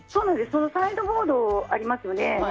そのサイドボードがありますよね。